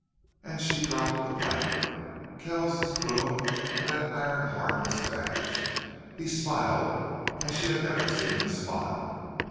And she dropped the blanket. Kells's gloom and that iron hardness vanished. He smiled as she had never seen him smile.